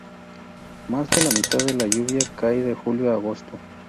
Más de la mitad de la lluvia cae de julio a agosto.